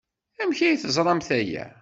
Amek ay teẓramt aya?